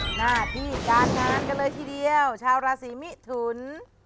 หน้าที่การงานกันเลยทีเดียวชาวราศีมิถุน